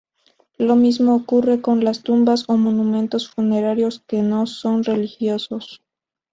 Lo mismo ocurre con las tumbas o monumentos funerarios que no son religiosos.